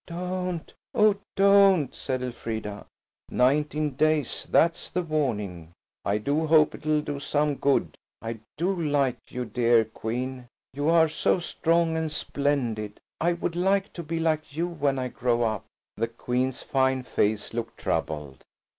"Don't, oh, don't!" said Elfrida. "Nineteen days, that's the warning–I do hope it'll do some good. I do like you, dear Queen. You are so strong and splendid. I would like to be like you when I grow up." The Queen's fine face looked troubled.